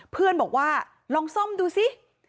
เพื่อนบอกว่าลองซ่อมดูสิ